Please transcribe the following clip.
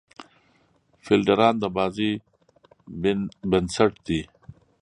فیلډران د بازۍ بېنسټ دي.